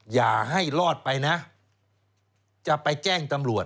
อย่าให้รอดไปนะจะไปแจ้งตำรวจ